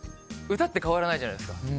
歌って変わらないじゃないですか。